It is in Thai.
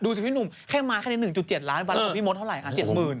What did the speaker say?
ดูสิพี่หนุ่มแค่มา๑๗ล้านบาทแล้วก็พี่มดเท่าไหร่ค่ะ๗หมื่น